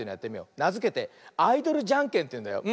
なづけて「アイドルじゃんけん」というんだよ。